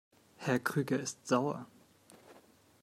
Herr Krüger ist sauer.